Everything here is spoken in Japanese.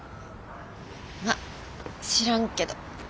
まっ知らんけど。